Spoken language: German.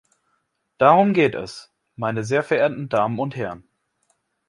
Darum geht es, meine sehr verehrten Damen und Herren.